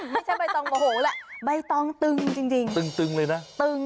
ไม่ใช่ใบตองโมโหแหละใบตองตึงจริง